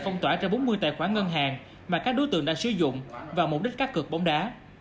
phong tỏa cho bốn mươi tài khoản ngân hàng mà các đối tượng đã sử dụng vào mục đích cá cực bóng đá